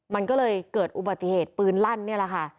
มันก็เลยเกิดอุบัติเหตุปืนลั่นนี่แหละค่ะ